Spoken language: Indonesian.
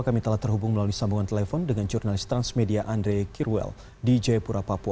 kami telah terhubung melalui sambungan telepon dengan jurnalis transmedia andre kirwel di jayapura papua